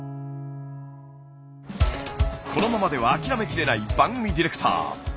このままでは諦めきれない番組ディレクター。